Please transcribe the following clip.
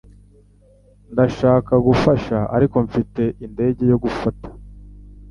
Ndashaka gufasha, ariko mfite indege yo gufata.